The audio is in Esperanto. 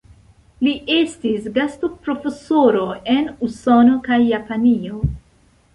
Li estis gastoprofesoro en Usono kaj Japanio.